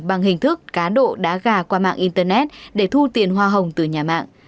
bằng hình thức cá độ đá gà qua mạng internet để thu tiền hoa hồng từ nhà mạng